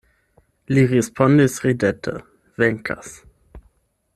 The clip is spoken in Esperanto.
Li respondis ridete, venkas.